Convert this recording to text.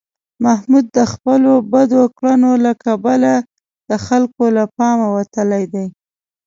محمود د خپلو بدو کړنو له کبله د خلکو له پامه وتلی دی.